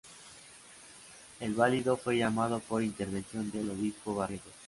El válido fue llamado por intervención del obispo Barrientos.